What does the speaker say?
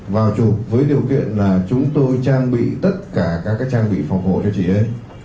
vào chụp với điều kiện là chúng tôi trang bị tất cả các trang bị phòng hộ cho chị ấy